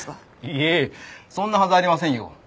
いえそんなはずありませんよ。